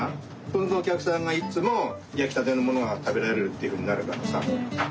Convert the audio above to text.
そうするとおきゃくさんがいっつもやきたてのものがたべられるっていうふうになるからさ。